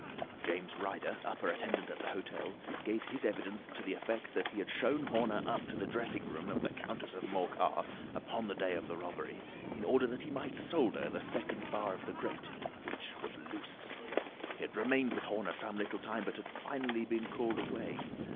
James Ryder, upper attendant at the hotel, gave his evidence to the effect that he had shown Horner up to the dressing room of the Countess of Morcar upon the day of the robbery in order that he might solder the second bar of the grate, which was loose. He had remained with Horner some little time, but had finally been called away.